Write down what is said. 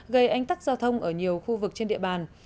gây ánh tắt giao thông ở nhiều khu vực trên địa bàn